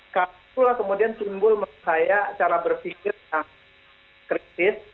kepala kemudian timbul menurut saya cara berpikir yang kritis